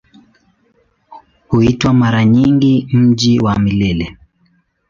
Huitwa mara nyingi "Mji wa Milele".